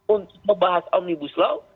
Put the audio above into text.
untuk membahas omnibus law